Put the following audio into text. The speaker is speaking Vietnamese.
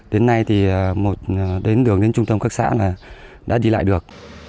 đến nay thì một đường đến trung tâm các xã đã đi lại được